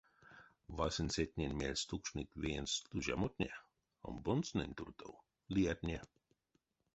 Васенцетнень мельс тукшныть веенст служамотне, омбонстнэнь туртов — лиятне.